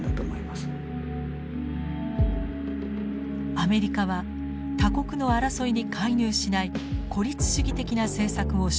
アメリカは他国の争いに介入しない孤立主義的な政策を修正していきます。